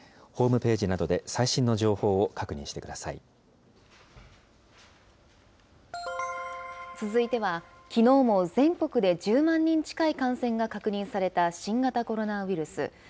ホームページなどで最新の情報を続いては、きのうも全国で１０万人近い感染が確認された新型コロナウイルス。